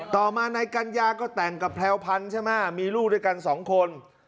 ต่อมานายกัญญาก็แต่งกับแพรวพันธ์ใช่ไหมมีลูกด้วยกันสองคน